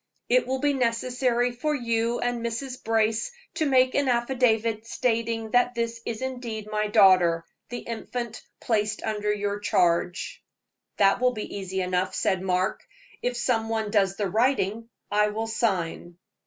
It will be necessary for you and Mrs. Brace to make an affidavit stating that this is indeed my daughter, the infant placed under your charge." "That will be easy enough," said Mark. "If some one does the writing, I will sign."